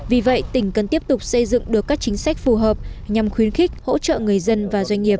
vì vậy tỉnh cần tiếp tục xây dựng được các chính sách phù hợp nhằm khuyến khích hỗ trợ người dân và doanh nghiệp